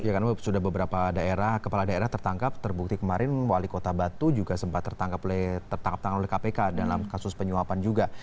ya karena sudah beberapa daerah kepala daerah tertangkap terbukti kemarin wali kota batu juga sempat tertangkap tangan oleh kpk dalam kasus penyuapan juga